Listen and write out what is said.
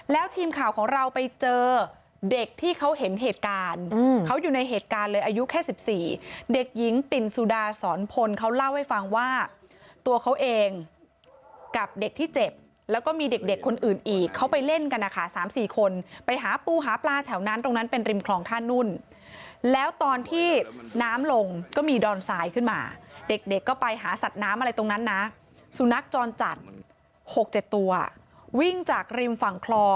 แล้วทีมข่าวของเราไปเจอเด็กที่เขาเห็นเหตุการณ์เขาอยู่ในเหตุการณ์เลยอายุแค่๑๔เด็กหญิงปิ่นสุดาสอนพลเขาเล่าให้ฟังว่าตัวเขาเองกับเด็กที่เจ็บแล้วก็มีเด็กคนอื่นอีกเขาไปเล่นกันนะคะ๓๔คนไปหาปูหาปลาแถวนั้นตรงนั้นเป็นริมคลองท่านุ่นแล้วตอนที่น้ำลงก็มีดอนทรายขึ้นมาเด็กเด็กก็ไปหาสัตว์น้ำอะไรตรงนั้นนะสุนัขจรจัด๖๗ตัววิ่งจากริมฝั่งคลอง